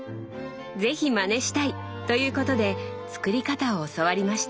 是非まねしたい！ということで作り方を教わりました。